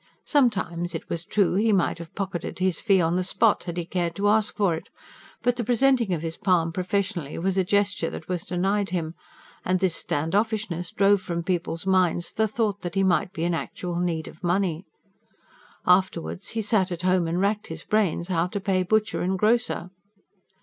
Sometimes, it was true, he might have pocketed his fee on the spot, had he cared to ask for it. But the presenting of his palm professionally was a gesture that was denied him. And this stand offishness drove from people's minds the thought that he might be in actual need of money. Afterwards he sat at home and racked his brains how to pay butcher and grocer.